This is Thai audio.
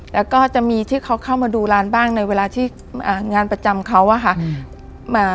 แล้วก็จะมีที่เขาเข้ามาดูร้านบ้างในเวลาที่งานประจำเขาอะค่ะ